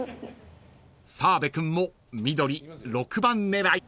［澤部君も緑６番狙い］